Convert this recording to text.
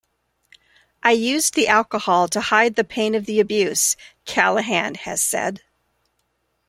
"I used the alcohol to hide the pain of the abuse," Callahan has said.